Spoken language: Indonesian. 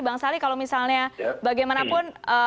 bang sali kalau misalnya bagaimanapun